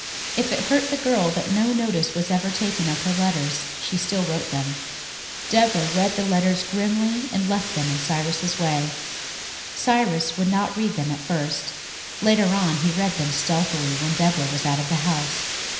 If it hurt the girl that no notice was ever taken of her letters she still wrote them. Deborah read the letters grimly and then left them in Cyrus's way. Cyrus would not read them at first; later on he read them stealthily when Deborah was out of the house.